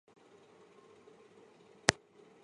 他也曾效力于水晶宫和朴茨茅斯等球队。